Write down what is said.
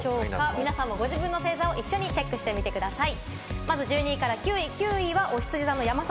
皆さんもご自身の星座をチェックしてみてください。